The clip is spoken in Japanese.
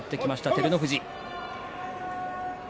照ノ富士。